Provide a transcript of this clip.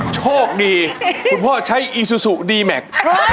โชคดีคุณพ่อใช้อีซูซูดีแม็กซ์